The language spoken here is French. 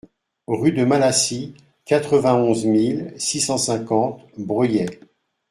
Rue de Malassis, quatre-vingt-onze mille six cent cinquante Breuillet